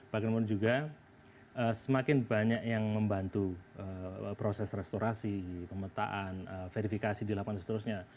bagaimana juga semakin banyak yang membantu proses restorasi pemetaan verifikasi di lapangan seterusnya